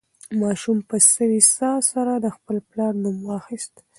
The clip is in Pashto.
ماشوم په سوې ساه سره د خپل پلار نوم واخیست.